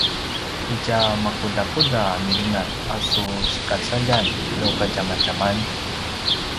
itja makudakuda milingan a su sigacaljan nu kadjamadjaman?